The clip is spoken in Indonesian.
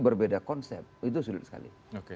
berbeda konsep itu sulit sekali